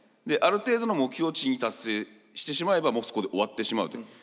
である程度の目標値に達成してしまえばもうそこで終わってしまうという。